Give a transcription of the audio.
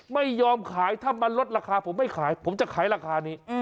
ไม่ยอมขายถ้ามันลดราคาผมไม่ขายผมจะขายราคานี้